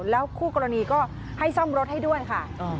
แล้วคู่กรณีก็ให้ซ่อมรถให้ด้วยค่ะ